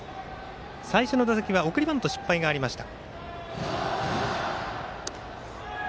最初の打席は送りバント失敗がありました。